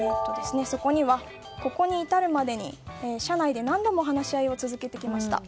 ここに至るまでに、社内で何度も話し合いを続けてきました。